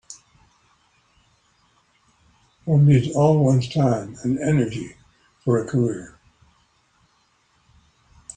One needs all one's time and energy for a career.